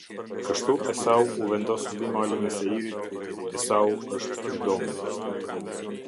Kështu Esau u vendos mbi malin e Seirit; Esau është Edomi.